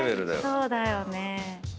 そうだよね。